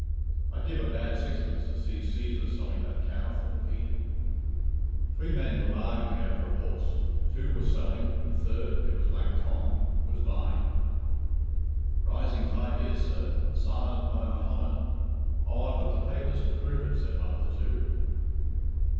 "I'd give a bad sixpence to see Cæsar selling that cow," thought Pete. Three men were bargaining over a horse. Two were selling, the third (it was Black Tom) was buying. "Rising five years, sir. Sired by Mahomet. Oh, I've got the papers to prove it," said one of the two.